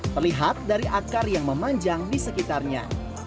terlihat dari akar yang memanjang di sekitarnya